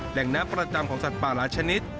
แหล่งน้ำประจำของสัตว์ป่าหลายชนิด